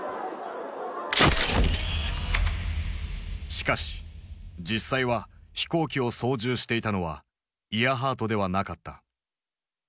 しかし実際は飛行機を操縦していたのはイアハートではなかった。